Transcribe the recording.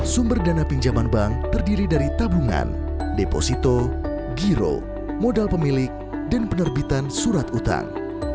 sumber dana pinjaman bank terdiri dari tabungan deposito giro modal pemilik dan penerbitan surat utang